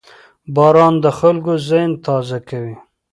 • باران د خلکو ذهن تازه کوي.